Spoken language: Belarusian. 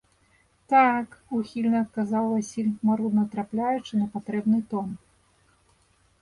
— Так, — ухільна адказаў Васіль, марудна трапляючы на патрэбны тон.